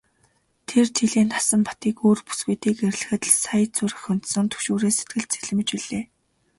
Тэр жилээ Насанбатыг өөр бүсгүйтэй гэрлэхэд л сая зүрх хөндсөн түгшүүрээс сэтгэл цэлмэж билээ.